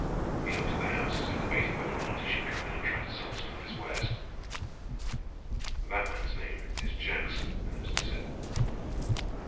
He looked at the house as if debating whether or not he should come in and try to sell some of his wares. "That man's name is Jackson," Ernest said.